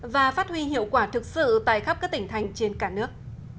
và phát huy hiệu quả thực sự tại khắp các tỉnh thành trên cả nước